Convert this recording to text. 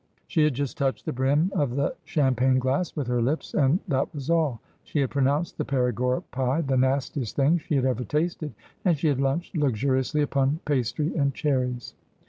She had just touched the brim of the champagne glass with her lips and that was all. She had pronounced the Perigord pie the nastiest thing that she had ever tasted ; and she had lunched luxuriously upon pastry and cherries.